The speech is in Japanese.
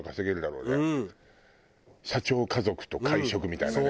社長家族と会食みたいなね。